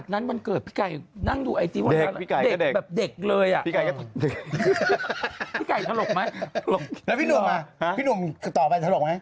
แล้วพี่หนุ่มพี่หนุ่มต่อไปถลกไหม